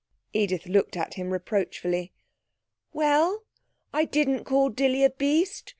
Edith looked at him reproachfully. 'Well, I didn't call Dilly a beast.